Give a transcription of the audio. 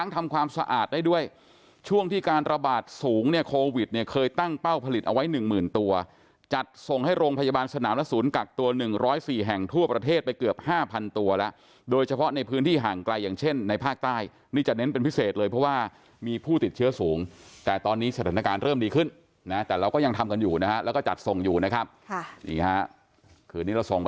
ทำความสะอาดได้ด้วยช่วงที่การระบาดสูงเนี่ยโควิดเนี่ยเคยตั้งเป้าผลิตเอาไว้๑๐๐๐๐ตัวจัดส่งให้โรงพยาบาลสนามและศูนย์กักตัว๑๐๔แห่งทั่วประเทศไปเกือบ๕๐๐๐ตัวแล้วโดยเฉพาะในพื้นที่ห่างไกลอย่างเช่นในภาคใต้นี่จะเน้นเป็นพิเศษเลยเพราะว่ามีผู้ติดเชื้อสูงแต่ตอนนี้สถานการณ์เร